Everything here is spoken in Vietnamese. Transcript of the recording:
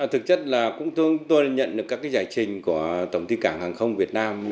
thực chất là cũng tôi nhận được các giải trình của tổng thị cảng hàng không việt nam